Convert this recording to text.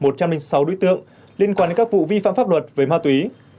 một trăm linh sáu đối tượng liên quan đến các vụ vi phạm pháp luật về ma túy